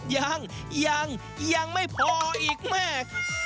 ยังยังยังไม่พออีกแม่